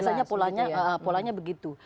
biasanya polanya begitu